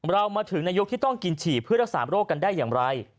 เรามาถึงในยุคที่ต้องกินฉี่เพื่อรักษาโรคกันได้อย่างไร